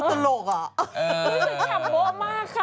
ก็ฉำโบะมากค่ะ